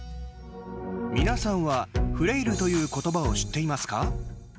皆さんはフレイルという言葉を知っていますか？